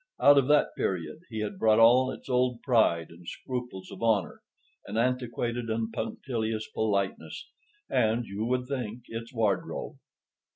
Out of that period he had brought all its old pride and scruples of honor, an antiquated and punctilious politeness, and (you would think) its wardrobe.